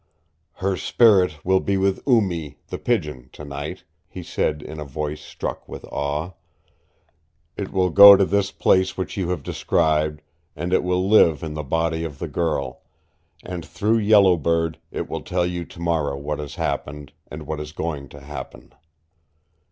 "Her spirit will be with Oo Mee, the Pigeon, tonight," he said in a voice struck with awe. "It will go to this place which you have described, and it will live in the body of the girl, and through Yellow Bird it will tell you tomorrow what has happened, and what is going to happen."